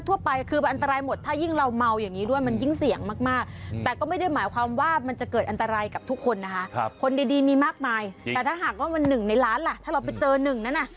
ว่ามันหนึ่งในร้านล่ะถ้าเราไปเจอหนึ่งนั้นน่ะ